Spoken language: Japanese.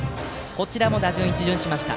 こちらも打順が一巡しました。